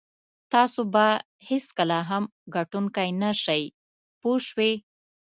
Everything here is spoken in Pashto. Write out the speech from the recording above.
تاسو به هېڅکله هم ګټونکی نه شئ پوه شوې!.